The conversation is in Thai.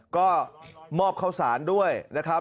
ก็มอบข้าวสารด้วยนะครับ